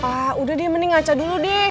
pak udah dia mending ngaca dulu dek